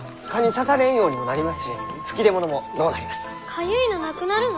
かゆいのなくなるの？